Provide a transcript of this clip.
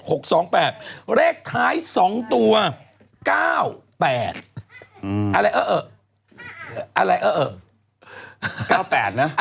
หกสองแปดเลขท้ายสองตัวเก้าแปดอืมอะไรเอ่อเอ่ออะไรเอ่อเอ่อเก้าแปดนะ